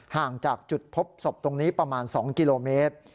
ห่างจากจุดพบศพตรงนี้ประมาณ๒กิโลเมตร